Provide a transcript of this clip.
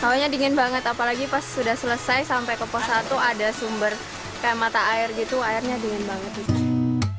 kawahnya dingin banget apalagi pas sudah selesai sampai ke pos satu ada sumber kayak mata air gitu airnya dingin banget gitu